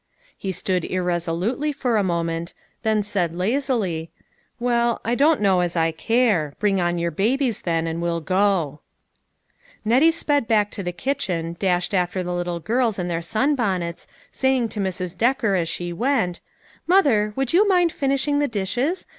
He stood irreso lutely for a moment, then said lazily, " Well, I don't know as I care ; bring on your babies, then, and we'll go." A SABBATH TO REMEMBER. 163 Nettie sped back to the kitchen, dashed after the little girls and their sunbonnets, saying to Mrs. Decker as she went :" Mother, would you mind finishing the dishes?